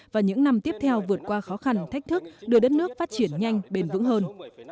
và những năm tiếp theo vượt qua khó khăn thách thức đưa đất nước phát triển nhanh bền vững hơn